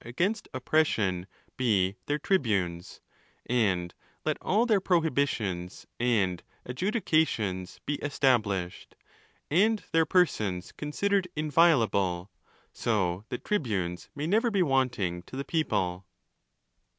against oppression be their tribunes; and let all their prohibi tions and adjudications be established, and their persons con sidered inviolable, so that tribunes may never be wanting to the people.